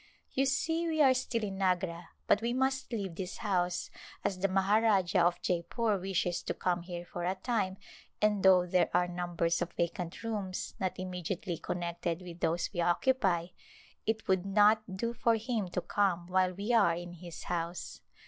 You see we are still in Agra but we must leave this house as the Maharajah of Jeypore wishes to come here for a time and though there are numbers of vacant rooms not immediately connected with those we occupy, it would not do for him to come while we are in his house.